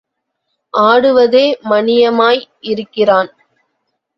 ஆடுவதே மணியமாய் இருக்கிறான்.